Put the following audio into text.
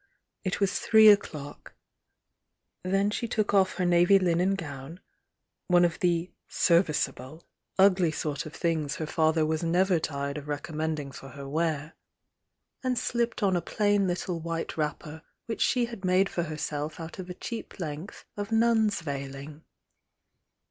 It was three o'clock. Then she took off her navy linen gown,— one of the "serviceable," ugly sort of things her 28 THK VOUNG DIANA father was never tired of recommending for her wear,— and slipped on a plain little white wrapper which she had made for herself out of a cheap length of nun's veiling.